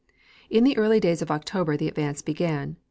In the early days of October the advance began.